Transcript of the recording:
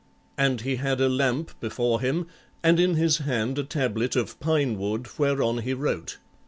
And he had a lamp before him and in his hand a tablet of pine wood, whereon he wrote.